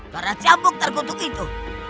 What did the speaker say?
karena campur terkutuk itu